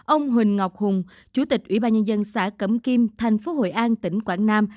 ông huỳnh ngọc hùng chủ tịch ủy ban nhân dân xã cẩm kim thành phố hội an tỉnh quảng nam